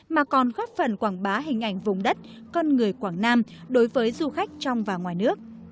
mà còn góp phần quảng bá hình ảnh vùng đất con người quảng nam đối với du khách trong và ngoài nước